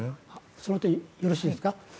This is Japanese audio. その点、よろしいですか。